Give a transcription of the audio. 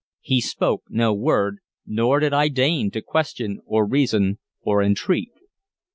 He spoke no word, nor did I deign to question or reason or entreat.